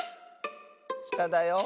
しただよ。